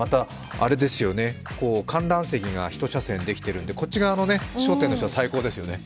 観覧席が１車線できているんで、こっち側の商店の人は最高ですよね。